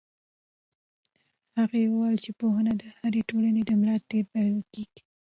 هغه وویل چې پوهنه د هرې ټولنې د ملا تیر بلل کېږي.